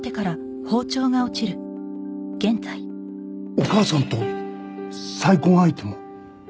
お母さんと再婚相手も？